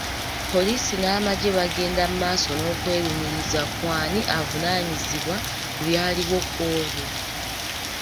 Poliisi n’amagye bagenda maaso n’okwerumiriza ku ani avunaanyizibwa ku byaliwo ku olwo.